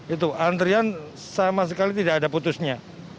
itu antrian sama sekali tidak ada putusnya